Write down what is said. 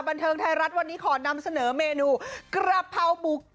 บันเทิงไทยรัฐวันนี้ขอนำเสนอเมนูกระเพราบุก